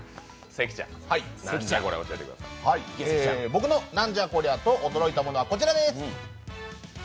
僕の「なんじゃこりゃ！と驚いたもの」はこちらです。